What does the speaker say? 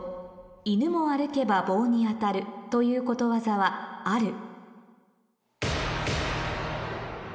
「犬も歩けば棒に当たる」ということわざはあるＢ